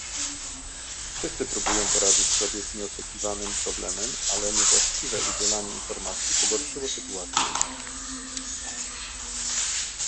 Wszyscy próbują poradzić sobie z nieoczekiwanym problemem, ale niewłaściwe udzielanie informacji pogorszyło sytuację